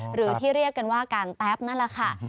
หรือที่เรียกกันว่าการแต๊บนั่นแหละค่ะ